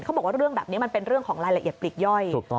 บอกว่าเรื่องแบบนี้มันเป็นเรื่องของรายละเอียดปลีกย่อย